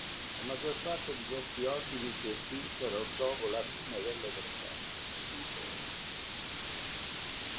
La maggior parte di questi ordini si estinsero dopo la fine delle crociate.